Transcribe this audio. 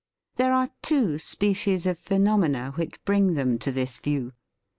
There are two species of phenomena which bring them to this view.